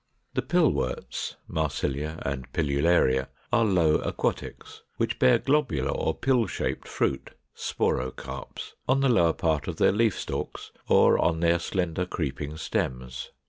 ] 495. =The Pillworts= (Marsilia and Pilularia) are low aquatics, which bear globular or pill shaped fruit (SPOROCARPS) on the lower part of their leaf stalks or on their slender creeping stems.